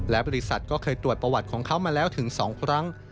และบริษัทก็เคยตรวจประวัติของเขามาแล้วถึง๒ครั้ง